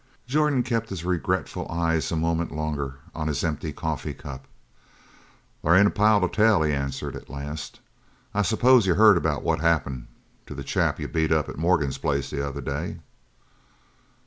Jordan kept his regretful eyes a moment longer on his empty coffee cup. "There ain't a pile to tell," he answered at last. "I suppose you heard about what happened to the chap you beat up at Morgan's place the other day?"